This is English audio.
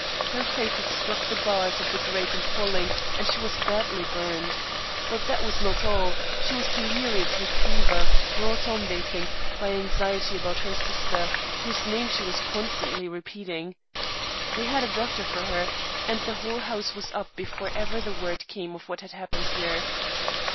Her face had struck the bars of the grate in falling, and she was badly burned. But that was not all; she was delirious with fever, brought on, they think, by anxiety about her sister, whose name she was constantly repeating. They had a doctor for her and the whole house was up before ever the word came of what had happened here."